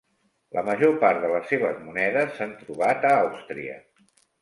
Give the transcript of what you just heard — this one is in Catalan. La major part de les seves monedes s'han trobat a Àustria.